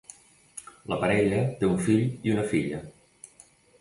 La parella té un fill i una filla.